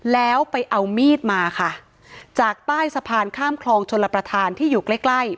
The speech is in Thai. แล้วไปเอามีดมาค่ะจากใต้สะพานข้ามคลองชลประธานที่อยู่ใกล้ใกล้